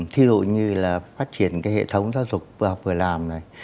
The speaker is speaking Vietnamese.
thí dụ như là phát triển cái hệ thống giáo dục vừa làm này